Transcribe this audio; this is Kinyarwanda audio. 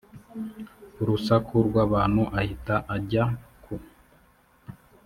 urusaku rw abantu ahita ajya ku